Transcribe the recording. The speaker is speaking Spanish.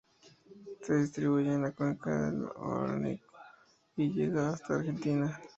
Se distribuye en la cuenca del Orinoco, y llega hasta Argentina.